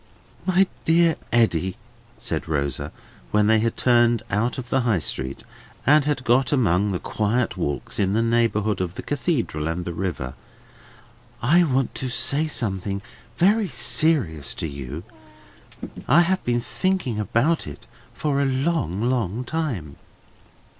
"My dear Eddy," said Rosa, when they had turned out of the High Street, and had got among the quiet walks in the neighbourhood of the Cathedral and the river: "I want to say something very serious to you. I have been thinking about it for a long, long time."